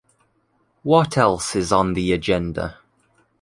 What else is on the agenda?